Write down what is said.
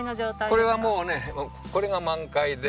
これはもうねこれが満開で。